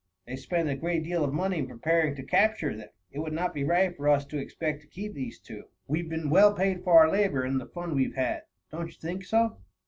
They spend a great deal of money in preparing to capture them. It would not be right for us to expect to keep these two. We've been well paid for our labor in the fun we have had. Don't you think so?"